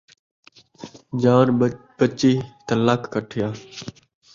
جان بچی تاں لکھ کھٹیا